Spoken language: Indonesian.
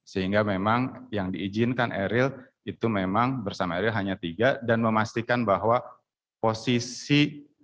sehingga memang yang diizinkan eril itu memang bersama eril hanya tiga dan memastikan bahwa posisi